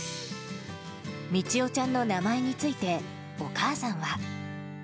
みちおちゃんの名前について、お母さんは。